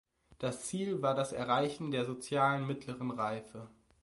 Das Ziel war das Erreichen der sozialen Mittleren Reife.